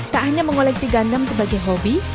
tak hanya mengoleksi gundam sebagai hobi